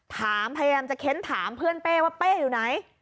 พยายามจะเค้นถามเพื่อนเป้ว่าเป้อยู่ไหน